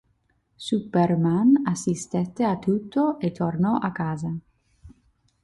Superman assistette a tutto e tornò a casa.